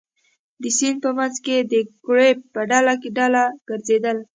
د سیند په منځ کې ګرېب په ډله ډله ګرځېدل.